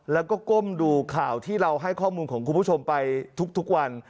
แล้วก็ก้มดูข่าวที่เราให้ข้อมูลของคุณผู้ชมไปทุกวัน